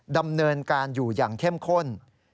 ดำเนินการอยู่อย่างเข้มข้น